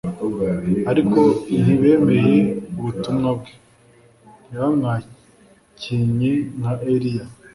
Ariko ntibemeye ubutumwa bwe. Ntibamwakinye nka Eliya.